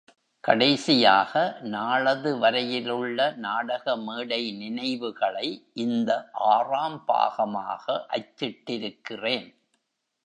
கடைசியாக நாளது வரையிலுள்ள நாடக மேடை நினைவுகளை இந்த ஆறாம் பாகமாக அச்சிட்டிருக்கிறேன்.